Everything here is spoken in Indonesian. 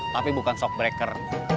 tapi bukan shock breaker